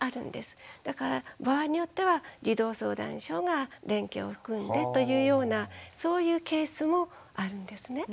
だから場合によっては児童相談所が連携を含んでというようなそういうケースもあるんですね。